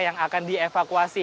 yang akan dievakuasi